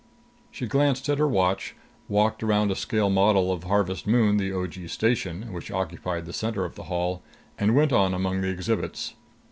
She glanced at her watch, walked around a scale model of Harvest Moon, the O.G. station, which occupied the center of the Hall, and went on among the exhibits.